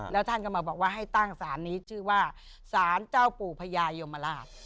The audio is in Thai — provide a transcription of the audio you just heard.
แล้วท่านก็มาบอกว่าให้ตั้งศาลนี้ชื่อว่าสารเจ้าปู่พญายมราช